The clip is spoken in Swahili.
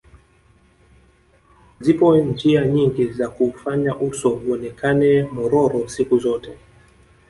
Zipo njia nyingi za kuufanya uso uonekane mororo siku zote